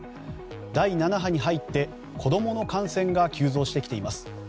第７波に入って、子供の感染が急増してきています。